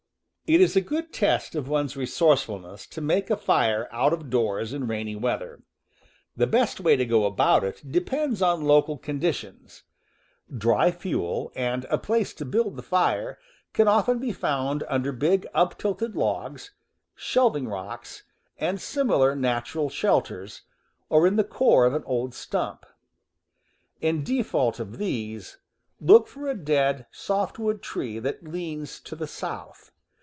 It is a good test of one's resourcefulness to make a fire out of doors in rainy weather. The best way to _,. p,. go about it depends upon local condi ^ W t tions. Dry fuel, and a place to build ^, the fire, can often be found under big uptilted logs, shelving rocks, and simi lar natural shelters, or in the core of an old stump. In default of these, look for a dead softwood tree that leans to the south.